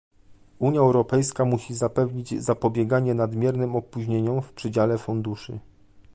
Unia Europejska musi zapewnić zapobieganie nadmiernym opóźnieniom w przydziale funduszy